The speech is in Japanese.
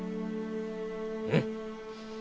うん。